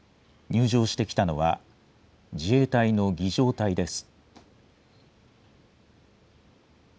入場してきたのは、自衛隊の儀じょう隊です。